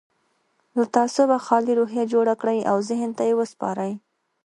له تعصبه خالي روحيه جوړه کړئ او ذهن ته يې وسپارئ.